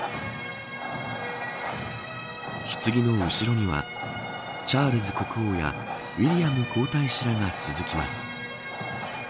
ひつぎの後ろにはチャールズ国王やウィリアム皇太子らが続きます。